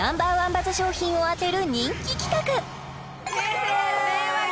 バズ商品を当てる人気企画イエーイ！